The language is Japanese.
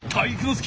介